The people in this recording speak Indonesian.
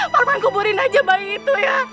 pak man kuburin aja bayi itu ya